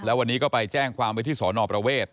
แล้ววันนี้ก็ไปแจ้งความไว้ที่สอนอประเวท